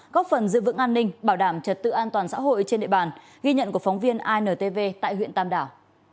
góp phần giữ vững an ninh bảo đảm trật tự an toàn xã hội trên địa bàn ghi nhận của phóng viên intv tại huyện tam đảo